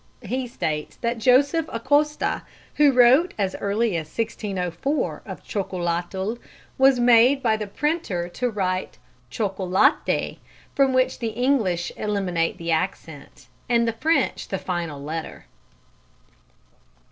He states that Joseph Acosta, who wrote as early as 1604 of chocolatl, was made by the printer to write chocolaté, from which the English eliminated the accent, and the French the final letter.